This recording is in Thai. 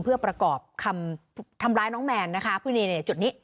เพื่อประกอบคำทำร้ายน้องแมนนะคะจุดนี้